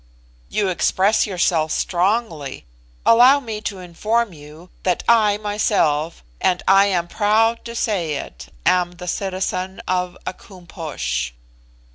"You express yourself strongly. Allow me to inform you that I myself, and I am proud to say it, am the citizen of a Koom Posh."